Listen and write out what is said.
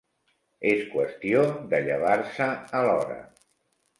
És qüestió de llevar-se a l'hora.